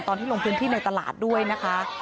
ตอนที่ลงพื้นที่ในตลาดด้วยนะคะ